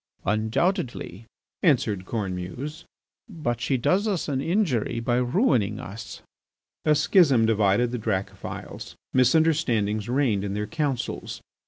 "Undoubtedly," answered Cornemuse, "but she does us an injury by ruining us." A schism divided the Dracophils. Misunderstandings reigned in their councils.